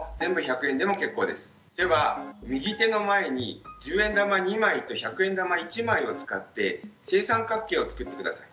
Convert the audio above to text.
では右手の前に１０円玉２枚と１００円玉１枚を使って正三角形を作って下さい。